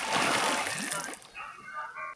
目前仅餐饮管理科纳入编列。